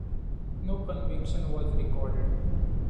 No conviction was recorded.